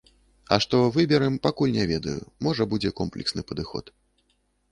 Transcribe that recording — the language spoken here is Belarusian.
А што выбярэм, пакуль не ведаю, можа, будзе комплексны падыход.